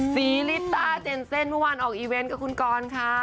ลิตาเจนเซ่นเมื่อวานออกอีเวนต์กับคุณกรค่ะ